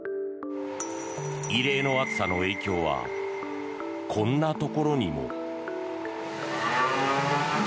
異例の暑さの影響はこんなところにも。